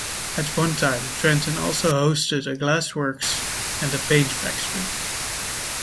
At one time, Trenton also hosted a glass works and paint factory.